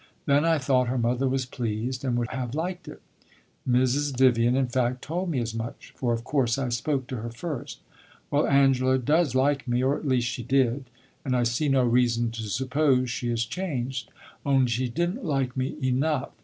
Then I thought her mother was pleased, and would have liked it. Mrs. Vivian, in fact, told me as much; for of course I spoke to her first. Well, Angela does like me or at least she did and I see no reason to suppose she has changed. Only she did n't like me enough.